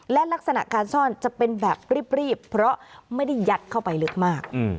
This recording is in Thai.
และลักษณะการซ่อนจะเป็นแบบรีบเพราะไม่ได้ยัดเข้าไปลึกมาก